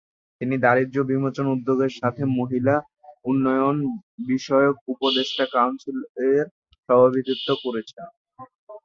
তিনি দারিদ্র্য বিমোচন উদ্যোগের সাথে মহিলা উন্নয়ন বিষয়ক উপদেষ্টা কাউন্সিলের সভাপতিত্ব করছেন।